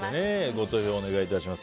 ご投票をお願いします。